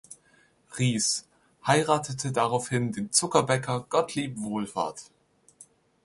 Rieß, heiratete daraufhin den Zuckerbäcker Gottlieb Wohlfahrt.